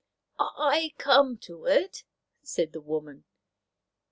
" I come to it," said the woman.